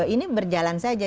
ini berjalan saja